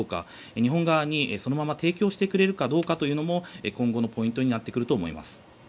日本側に、そのまま提供してくれるかどうかも今後のポイントになると思います。